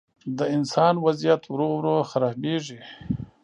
د انسان وضعیت ورو، ورو خرابېږي.